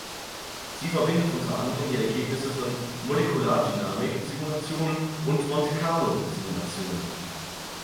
Sie verbindet unter anderem die Ergebnisse von Molekulardynamik-Simulationen und Monte-Carlo-Simulationen.